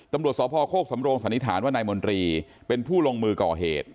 ตำรวจสพโคกสำโรงสันนิษฐานว่านายมนตรีเป็นผู้ลงมือก่อเหตุ